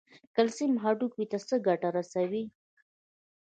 کلسیم هډوکو ته څه ګټه رسوي؟